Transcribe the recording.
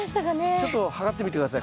ちょっと測ってみて下さい。